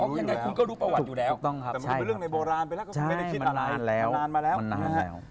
ยังไงคุณก็รู้ประวัติอยู่แล้วถูกต้องครับใช่ครับใช่มันนานมาแล้ว